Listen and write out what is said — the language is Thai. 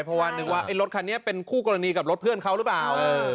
เพราะว่านึกว่ารถคันนี้เป็นคู่กรณีกับรถเพื่อนเขาหรือเปล่า